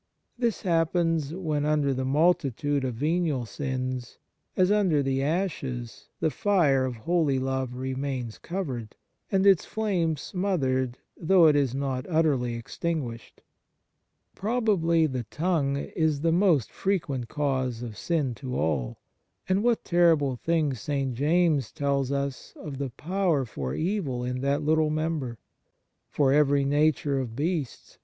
This happens when under the multitude of venial sins, as under the ashes, the fire of holy love remains covered, and its flame smothered though it is not utterly extinguished." 134 ON SOME PREROGATIVES OF GRACE Probably the tongue is the most fre quent cause of sin to all ; and what terrible things St. James tells us of the power for evil in that " little member "!" For every nature of beasts